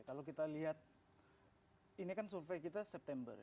kalau kita lihat ini kan survei kita september